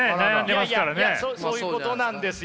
いやいやそういうことなんですよ。